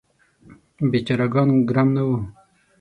بیچاره ګان ګرم نه وو.